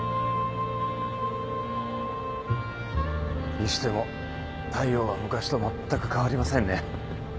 にしても大陽は昔とまったく変わりませんね。